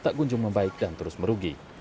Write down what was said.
tak kunjung membaik dan terus merugi